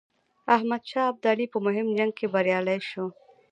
احمدشاه ابدالي په مهم جنګ کې بریالی شو.